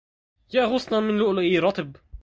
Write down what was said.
يا غصنا من لؤلؤ رطب